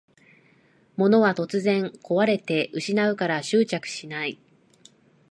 物は突然こわれて失うから執着しない